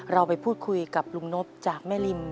เราไปพูดคุยกับลุงนบจากแม่ริม